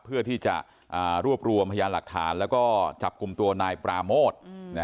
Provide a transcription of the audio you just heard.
เพื่อที่จะรวบรวมพยานหลักฐานแล้วก็จับกลุ่มตัวนายปราโมท